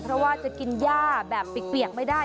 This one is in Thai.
เพราะว่าจะกินย่าแบบเปียกไม่ได้